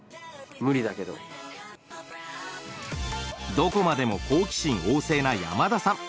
どこまでも好奇心旺盛な山田さん。